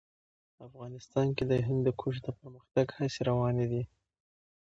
افغانستان کې د هندوکش د پرمختګ هڅې روانې دي.